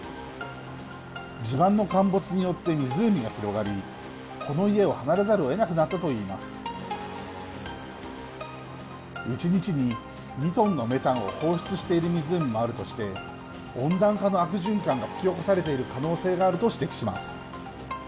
地盤の陥没によって湖が広がりこの家を離れざるをえなくなったといいます一日に２トンのメタンを放出している湖もあるとして温暖化の悪循環が引き起こされている可能性があると指摘します。